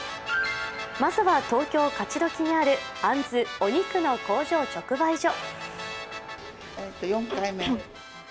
まずは東京・勝どきにあるあんずお肉の工場直売所。